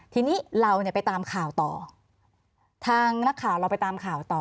ทีนี้เราเนี่ยไปตามข่าวต่อทางนักข่าวเราไปตามข่าวต่อ